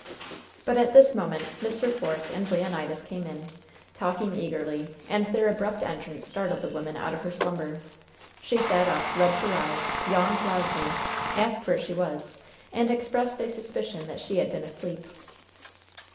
But at this moment Mr. Force and Leonidas came in, talking eagerly, and their abrupt entrance startled the woman out of her slumber. She sat up, rubbed her eyes, yawned loudly, asked where she was, and expressed a suspicion that she had been asleep.